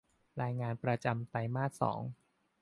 รายงานประจำไตรมาสสอง